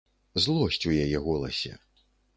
Злосць у яе голасе.